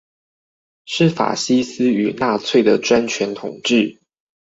是法西斯與納粹的專權統治